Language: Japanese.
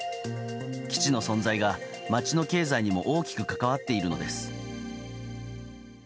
基地の存在が町の経済にも大きく関わっているのです。